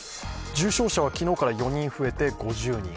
重症者は昨日から４人増えて５０人。